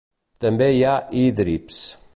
També hi ha híbrids.